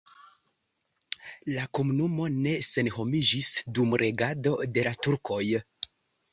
La komunumo ne senhomiĝis dum regado de la turkoj.